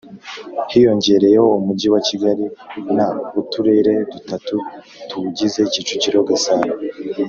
hiyongereyeho Umujyi wa Kigali n Uturere dutatu tuwugize Kicukiro Gasabo